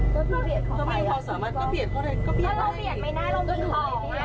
เจ้าเราเปลี่ยนไม่ได้เรามีของฮะ